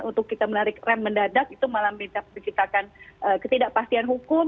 untuk kita menarik rem mendadak itu malah minta menciptakan ketidakpastian hukum